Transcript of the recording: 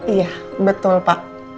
iya betul pak